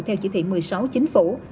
theo chỉ thị một mươi sáu chính phủ